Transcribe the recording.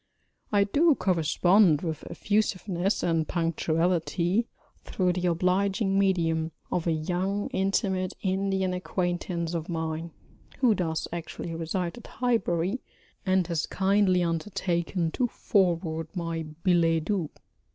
I do correspond with effusiveness and punctuality through the obliging medium of a young intimate Indian acquaintance of mine, who does actually reside at Highbury, and has kindly undertaken to forward my billets doux.